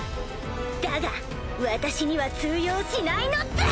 だが私には通用しないのだ！